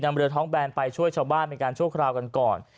เรือท้องแบนไปช่วยชาวบ้านเป็นการชั่วคราวกันก่อน